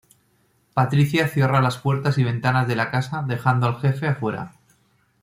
Patricia cierra las puertas y ventanas de la casa dejando al jefe afuera.